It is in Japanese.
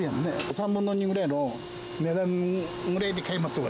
３分の２ぐらいの値段で買えますわ。